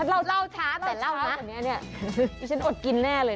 เล่าช้าแต่เล่ามากกว่านี้ฉันอดกินแน่เลย